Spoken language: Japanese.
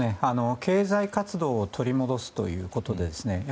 経済活動を取り戻すということですね。